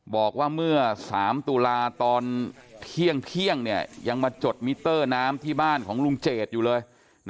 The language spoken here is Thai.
บอกว่าเมื่อ๓ตุลาตอนเที่ยงยังมาจดมิเตอร์น้ำที่บ้านของลุงเจดอยู่เลย